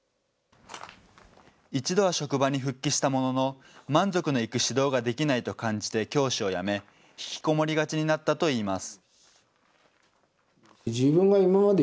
一度は職場に復帰したものの、満足のいく指導ができないと感じて教師を辞め、引きこもりがちになったといいます。